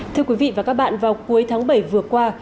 thưa quý vị và các bạn vào cuối tháng bảy vừa qua